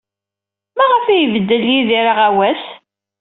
Maɣef ay ibeddel Yidir aɣawas?